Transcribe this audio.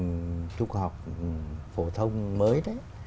chương trình trung học phổ thông mới đấy